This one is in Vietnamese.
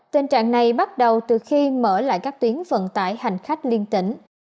tình trạng này bắt đầu từ khi mở lại các tuyến vận tải hành khách liên tỉnh